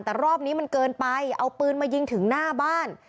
แต่รอบนี้มันเกินไปเอาปืนมายิงถึงหน้าบ้าน